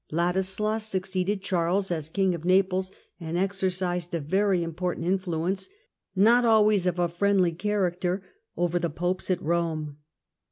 Ladislas succeeded Charles as King of Naples and exercised a very impor tant influence, not always of a friendly character, over the Popes at Rome.